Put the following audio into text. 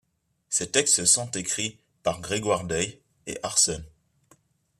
Ses textes sont écrits par Grégoire Dey et Arsen.